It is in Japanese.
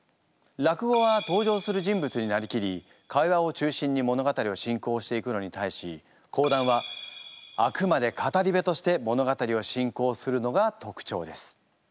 落語は登場する人物になりきり会話を中心に物語を進行していくのに対し講談はあくまで語り部として物語を進行するのが特徴です。